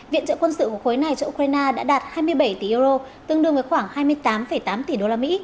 viện trợ quân sự của khối này cho ukraine đã đạt hai mươi bảy tỷ euro tương đương với khoảng hai mươi tám tám tỷ usd